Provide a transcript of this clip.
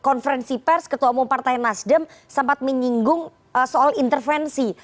konferensi pers ketua umum partai nasdem sempat menyinggung soal intervensi